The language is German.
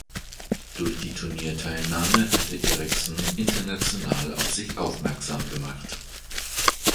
Durch die Turnierteilnahme hatte Eriksson international auf sich aufmerksam gemacht.